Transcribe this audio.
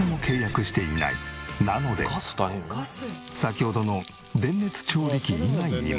なので先ほどの電熱調理器以外にも。